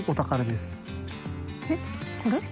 えっこれ？